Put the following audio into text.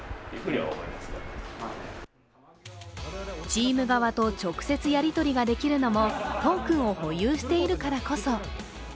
チーム側と直接やり取りができるのもトークンを保有しているからこそ。